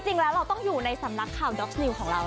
จริงแล้วเราต้องอยู่ในสำนักข่าวด็อกนิวของเรา